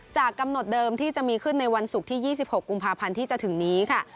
จากกำหนดเดิมที่จะมีขึ้นในวันศุกร์ที่๒๖กุมภาพันธ์ที่จะถึงนี้ค่ะ